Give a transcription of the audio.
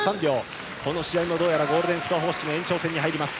この試合もどうやらゴールデンスコア方式の延長戦に入ります。